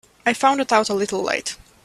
I found it out a little late.